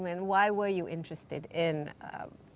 jadi berapa teruja dan mengapa anda